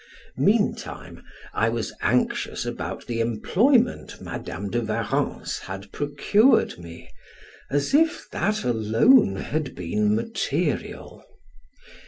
Meantime, I was anxious about the employment Madam de Warrens had procured me, as if that alone had been material.